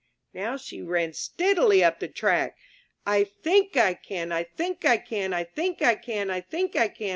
'* Now she ran steadily up the track. *'I think I can! I think I can! I think I can! I think I can!